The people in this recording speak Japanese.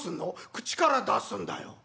「口から出すんだよ」。